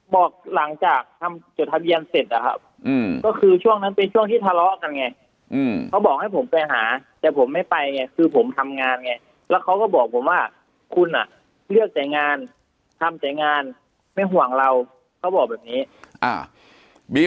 บอกหลังจากทำจดทะเบียนเสร็จนะครับก็คือช่วงนั้นเป็นช่วงที่ทะเลาะกันไงเขาบอกให้ผมไปหาแต่ผมไม่ไปไงคือผมทำงานไงแล้วเขาก็บอกผมว่าคุณอ่ะเลือกจ่ายงานทำแต่งานไม่ห่วงเราเขาบอกแบบนี้